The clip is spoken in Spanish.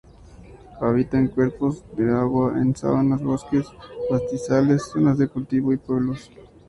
Habita en cuerpos de agua en sabanas, bosques, pastizales, zonas de cultivo y pueblos.